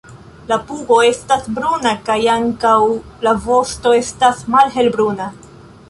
La pugo estas bruna kaj ankaŭ la vosto estas malhelbruna.